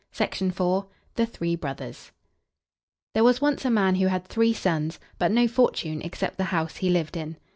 THE THREE BROTHERS There was once a man who had three sons, but no fortune except the house he lived in.